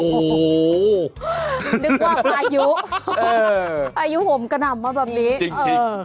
นึกว่าอายุอายุผมกระหน่ำมาแบบนี้เออค่ะจริง